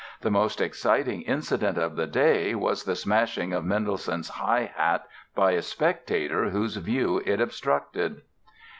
The most exciting incident of the day was the smashing of Mendelssohn's high hat by a spectator whose view it obstructed!